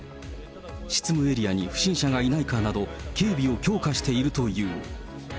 執務エリアに不審者がいないかなど、警備を強化しているという。